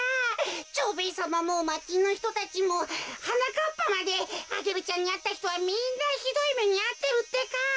蝶兵衛さまもまちのひとたちもはなかっぱまでアゲルちゃんにあったひとはみんなひどいめにあってるってか。